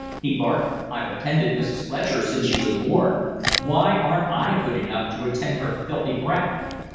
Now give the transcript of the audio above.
he barked. "I've attended Mrs. Fletcher since she was born. Why aren't I good enough to attend her filthy brat?"